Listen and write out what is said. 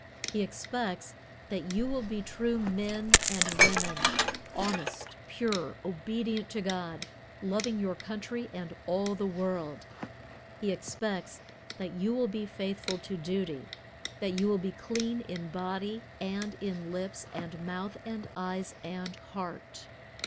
He expects that you will be true men and women, honest, pure, obedient to God, loving your country and all the world. He expects that you will be faithful to duty, that you will be clean in body and in lips and mouth and eyes and heart.